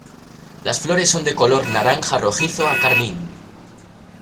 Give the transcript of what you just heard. Las flores son de color naranja rojizo a carmín.